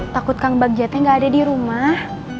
takut kang bajaknya ga ada di rumah